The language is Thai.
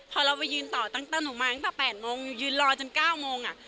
พอเราไปยืนต่อตั้งแต่หนูมาตั้งแต่๘โมงยืนรอจน๙โมง